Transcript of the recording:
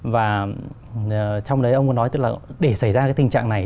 và trong đấy ông muốn nói tức là để xảy ra cái tình trạng này